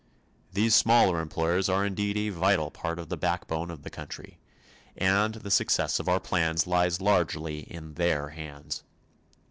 These smaller employers are indeed a vital part of the backbone of the country, and the success of our plans lies largely in their hands.